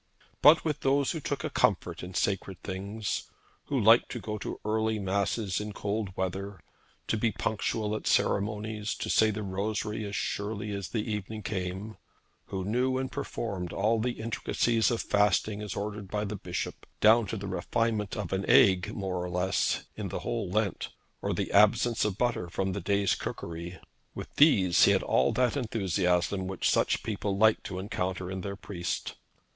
But with those who took a comfort in sacred things, who liked to go to early masses in cold weather, to be punctual at ceremonies, to say the rosary as surely as the evening came, who knew and performed all the intricacies of fasting as ordered by the bishop, down to the refinement of an egg more or less, in the whole Lent, or the absence of butter from the day's cookery, with these he had all that enthusiasm which such people like to encounter in their priest.